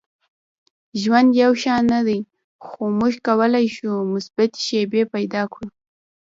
• ژوند یو شان نه دی، خو موږ کولی شو مثبتې شیبې پیدا کړو.